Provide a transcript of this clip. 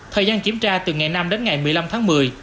thời gian kiểm tra từ ngày năm đến ngày một mươi năm tháng một mươi